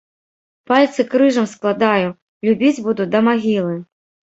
Пальцы крыжам складаю, любіць буду да магілы.